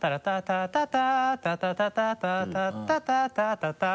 タッタラッタタタタタタタタタ